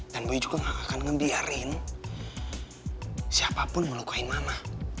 dan boy juga gak akan ngebiarin siapapun melukain mama